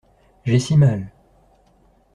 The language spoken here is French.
J'ai si mal.